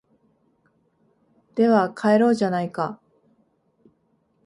では帰ろうじゃないか